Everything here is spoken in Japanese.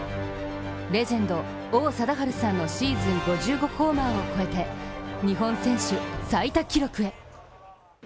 レジェンド・王貞治さんのシーズン５５ホーマーを超えて日本選手最多記録へ。